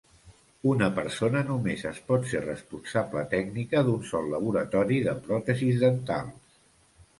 Una persona només es pot ser responsable tècnica d'un sol laboratori de pròtesis dentals.